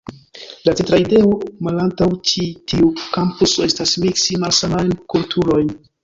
La centra ideo malantaŭ ĉi tiu kampuso estas miksi malsamajn kulturojn.